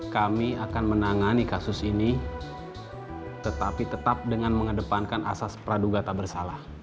kami akan menangani kasus ini tetapi tetap dengan mengedepankan asas perawatan